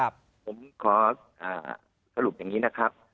ผมขอสรุปอย่างนี้นะครับ